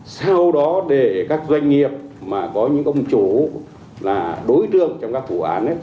sau đó để các doanh nghiệp mà có những công chủ là đối tượng trong các vụ án